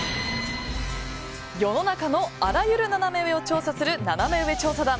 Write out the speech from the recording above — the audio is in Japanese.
世の中のあらゆるナナメ上を調査するナナメ上調査団。